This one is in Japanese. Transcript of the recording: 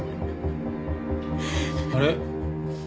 あれ？